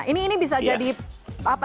ini bisa jadi penampilan